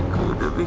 kamu sudah sabar